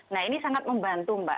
nah ini sangat membantu mbak